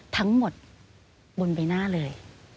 ทั้งหมดบนใบหน้าเลย